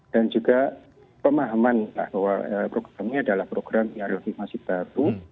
dan juga pemahaman bahwa program ini adalah program yang masih baru